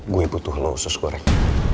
gue butuh lo usus goreng